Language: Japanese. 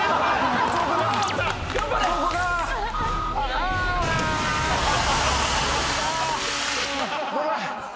あ！ごめん。